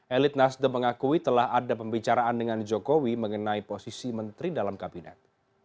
elit nasdem mengakui telah ada pembicaraan dengan jokowi mengenai posisi menteri dalam kabinet